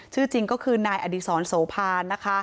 ชื่อจริงก็คือนายอดีศรโสภานนะคะ